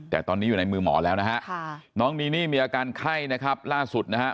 แต่ตอนนี้อยู่ในมือหมอแล้วนะฮะน้องนีนี่มีอาการไข้นะครับล่าสุดนะฮะ